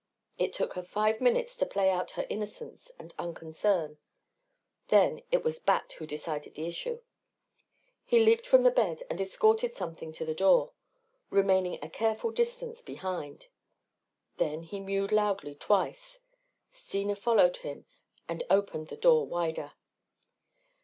It took her five minutes to play out her innocence and unconcern. Then it was Bat who decided the issue. He leaped from the bed and escorted something to the door, remaining a careful distance behind. Then he mewed loudly twice. Steena followed him and opened the door wider.